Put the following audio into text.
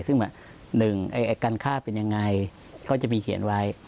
ซึ่งหนึ่งการฆ่าเป็นยังไงเขาจะมีเขียนไว้